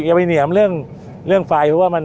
อย่าไปเหนียมเรื่องไฟเพราะว่ามัน